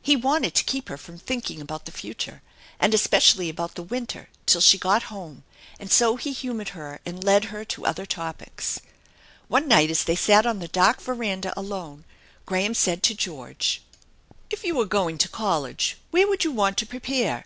He wanted to keep her from thinking about the future, and especially 304 THE ENCHANTED BARN about the winter, till she got home, and so he humored her and led her to other topics. One night, as they sat on the dark veranda alone, Graham said to George :" If you were going to college, where would you want to prepare